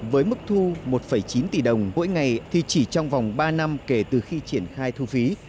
với mức thu một chín tỷ đồng mỗi ngày thì chỉ trong vòng ba năm kể từ khi triển khai thu phí